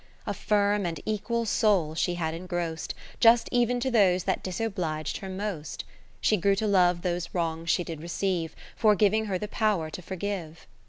A firm and equal soul she had engrost. Just ev'n to those that disoblig'd her most. She grew to love those wrongs she did receive For giving her the power to forgive.